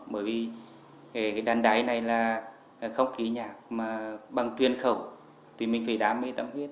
bởi vì đàn đáy này không khí nhạc mà bằng tuyên khẩu thì mình phải đam mê tâm huyết